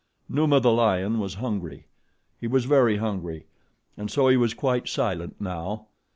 Numa, the lion, was hungry, he was very hungry, and so he was quite silent now.